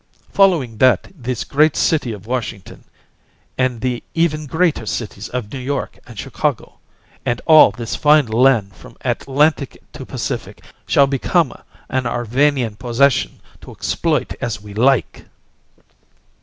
Following that, this great city of Washington, and the even greater cities of New York and Chicago, and all, this fine land from Atlantic to Pacific, shall become an Arvanian possession to exploit as we like!"